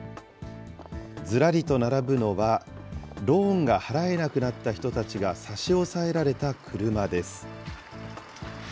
ずらりと並ぶのは、ローンが払えなくなった人たちが差し押さえられた車です。